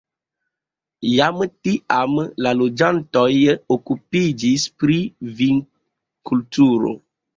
Jam tiam la loĝantoj okupiĝis pri vinkulturo.